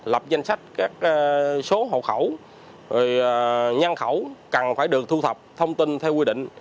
lập danh sách các số hộ khẩu nhân khẩu cần phải được thu thập thông tin theo quy định